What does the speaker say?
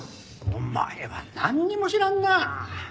お前はなんにも知らんな。